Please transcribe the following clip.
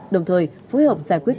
đồng thời phối hợp giải quyết